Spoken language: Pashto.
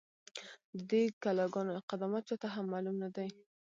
، د دې کلا گانو قدامت چا ته هم معلوم نه دی،